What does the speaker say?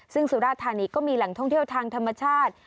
ซึ่งสุราธานีก็มีแหล่งท่องเที่ยวทางธรรมชาติ